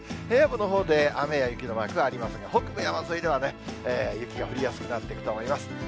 平野部のほうで雨や雪のマークがありますが、北部山沿いではね、雪が降りやすくなってくると思います。